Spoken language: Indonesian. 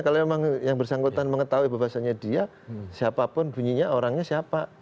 kalau memang yang bersangkutan mengetahui bahwasannya dia siapapun bunyinya orangnya siapa